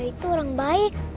dia itu orang baik